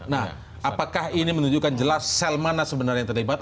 nah apakah ini menunjukkan jelas sel mana sebenarnya yang terlibat